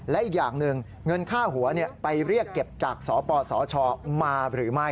และอีกอย่างหนึ่งเงินค่าหัวไปเรียกเก็บจากสปสชมาหรือไม่